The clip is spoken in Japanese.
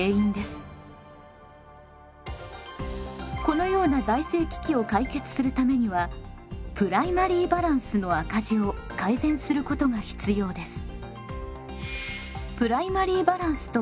このような財政危機を解決するためにはプライマリーバランスの赤字を改善することが必要です。